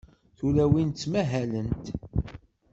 Tulawin ttmahalent.